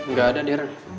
gak ada darren